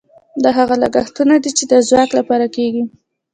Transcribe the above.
دا هغه لګښتونه دي چې د ځواک لپاره کیږي.